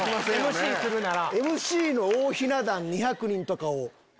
ＭＣするなら。